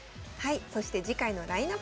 そして次回のラインナップになります。